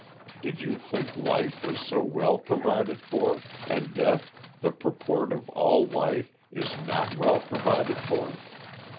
(Did you think life was so well provided for, and Death, the purport of all life, is not well provided for?)